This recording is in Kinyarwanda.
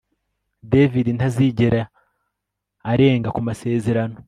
David ntazigera arenga ku masezerano